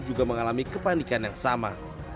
juga mengalami kepanikan yang sama